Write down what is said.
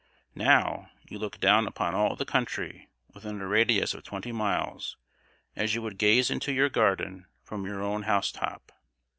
Now, you look down upon all the country within a radius of twenty miles, as you would gaze into your garden from your own house top.